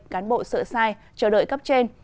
cán bộ sợ sai chờ đợi cấp trên